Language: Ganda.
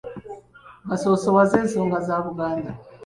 Basoosowaze ensonga za Buganda.